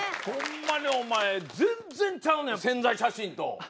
ほんまにお前全然ちゃうねん宣材写真と。